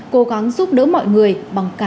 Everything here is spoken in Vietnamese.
cố gắng giúp đỡ mọi người bằng cảnh